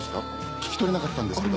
聞き取れなかったんですけど。